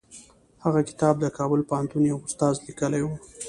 هغه کتاب د کابل پوهنتون یوه استاد لیکلی و.